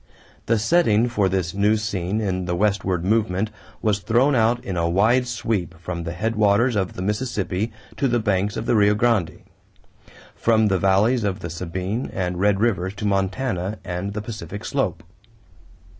The setting for this new scene in the westward movement was thrown out in a wide sweep from the headwaters of the Mississippi to the banks of the Rio Grande; from the valleys of the Sabine and Red rivers to Montana and the Pacific slope.